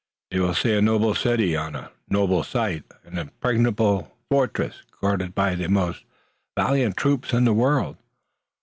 You will see a noble city, on a noble site, an impregnable fortress, guarded by the most valiant troops in the world.